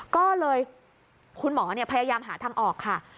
ก็เลยคุณหมอพยายามหาทางออกค่ะ